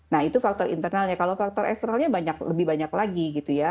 nah itu faktor internalnya kalau faktor eksternalnya lebih banyak lagi gitu ya